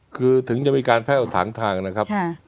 คือถึงจะมีการแพ่วถางทางนะครับ